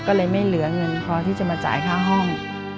ก็เลยไม่เหลือเงินพอที่จะมาจ่ายค่าห้อง